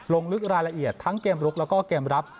ลงลึกรายละเอียดทั้งเกมลุกแล้วก็เกมรับ